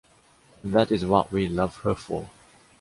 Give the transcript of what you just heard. And that is what we love her for!